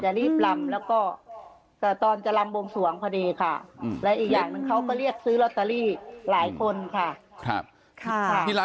รีบลำแล้วก็ตอนจะลำบวงสวงพอดีค่ะและอีกอย่างหนึ่งเขาก็เรียกซื้อลอตเตอรี่หลายคนค่ะ